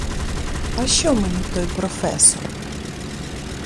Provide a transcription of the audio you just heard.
А що мені той професор!